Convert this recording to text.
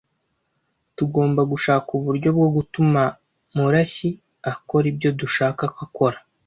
Tugomba gushaka uburyo bwo gutuma Murashyi akora ibyo dushaka ko akora.